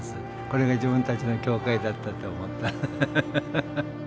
これが自分たちの教会だったと思ったら。